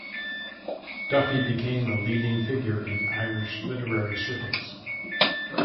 Duffy became a leading figure in Irish literary circles.